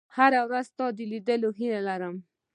• هره ورځ ستا د لیدو هیله لرم.